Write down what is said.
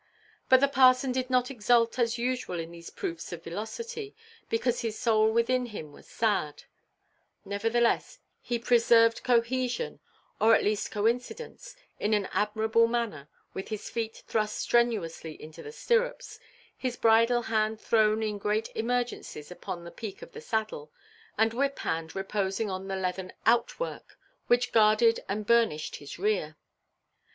But the parson did not exult as usual in these proofs of velocity, because his soul within him was sad; nevertheless he preserved cohesion, or at least coincidence, in an admirable manner, with his feet thrust strenuously into the stirrups, his bridle–hand thrown in great emergencies upon the peak of the saddle, and whip–hand reposing on the leathern outwork, which guarded and burnished his rear.